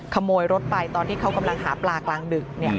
ขโมยรถไปตอนที่เขากำลังหาปลากลางดึก